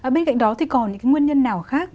bên cạnh đó thì còn những cái nguyên nhân nào khác